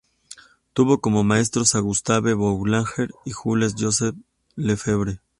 Tuvo como maestros a Gustave Boulanger y Jules Joseph Lefebvre.